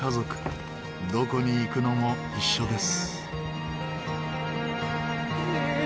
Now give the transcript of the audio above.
どこに行くのも一緒です。